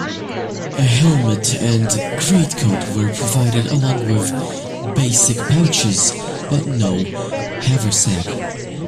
A helmet and greatcoat were provided, along with "basic pouches" but no haversack.